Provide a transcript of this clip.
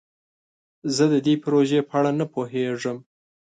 زه د دې پروژې په اړه نه پوهیږم.